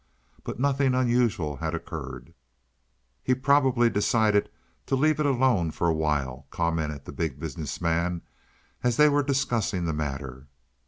But nothing unusual had occurred. "He probably decided to leave it alone for a while," commented the Big Business Man, as they were discussing the matter.